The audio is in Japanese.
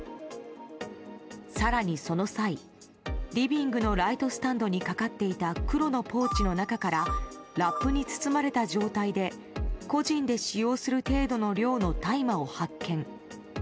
更に、その際リビングのライトスタンドにかかっていた黒のポーチの中からラップに包まれた状態で個人で使用する程度の量の大麻を発見。